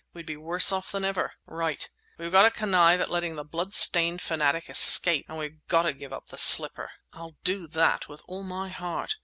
We'd be worse off than ever. Right! we've got to connive at letting the blood stained fanatic escape, and we've got to give up the slipper!" "I'll do that with all my heart!"